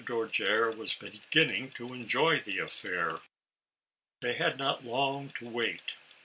Dojere was beginning to enjoy the affair. They had not long to wait.